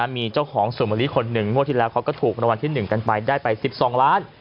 มีเจ้าของสวนมะลิคนหนึ่งงวดที่แล้วเขาก็ถูกรางวัลที่๑กันไปได้ไป๑๒ล้าน